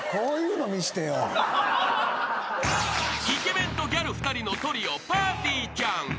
［イケメンとギャル２人のトリオぱーてぃーちゃん。